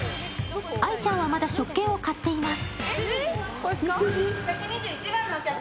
愛ちゃんは、まだ食券を買っています。